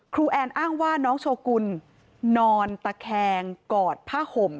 แอนอ้างว่าน้องโชกุลนอนตะแคงกอดผ้าห่ม